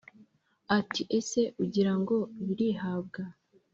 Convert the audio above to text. ati: “ese ugira ngo birihabwa?